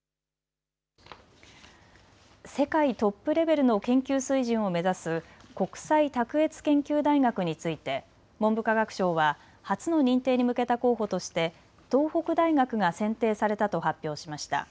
世界トップレベルの研究水準を目指す国際卓越研究大学について文部科学省は初の認定に向けた候補として東北大学が選定されたと発表しました。